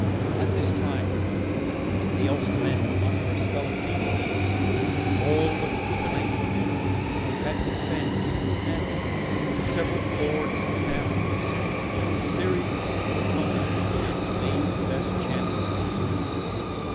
At this time the Ulstermen were under a spell of feebleness, all but Cuculainn, who had to defend single handed the several fords and passes, in a series of single combats, against Maive's best champions.